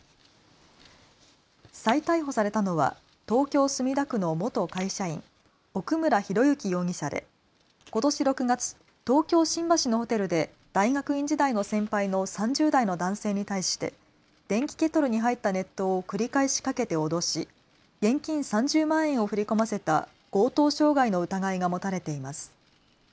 再逮捕されたのは東京墨田区の元会社員、奥村啓志容疑者でことし６月、東京新橋のホテルで大学院時代の先輩の３０代の男性に対して電気ケトルに入った熱湯を繰り返しかけて脅し現金３０万円を振り込ませた強盗傷害の疑いが持たれています。